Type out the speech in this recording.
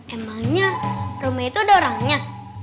emangnya rumah itu ada orangnya